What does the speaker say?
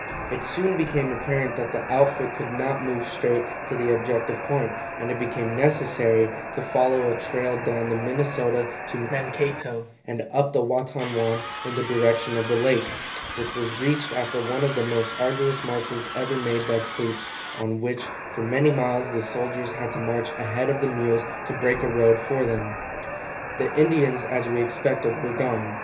It soon became apparent that the outfit could not move straight to the objective point, and it became necessary to follow a trail down the Minnesota to Mankato and up the Watonwan in the direction of the lake, which was reached after one of the most arduous marches ever made by troops, on which for many miles the soldiers had to march ahead of the mules to break a road for them. The Indians, as we expected, were gone.